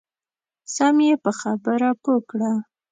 سم یې په خبره پوه کړه.